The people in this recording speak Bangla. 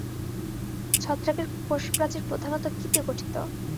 ছত্রাকের কোষপ্রাচীর প্রধানত কী দিয়ে গঠিত?